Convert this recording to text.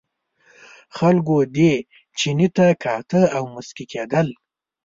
خلکو دې چیني ته کاته او مسکي کېدل.